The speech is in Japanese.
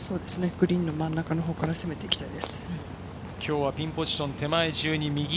グリーンの真ん中から攻めていきたいです。